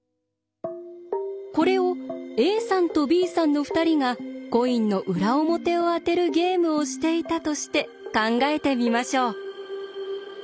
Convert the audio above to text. これをＡさんとＢさんの２人がコインの裏表を当てるゲームをしていたとして考えてみましょう。